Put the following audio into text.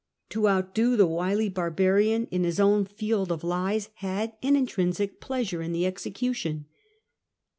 To outdo the wily barbarian in his own field of lies had an intrinsic pleasure in the execution.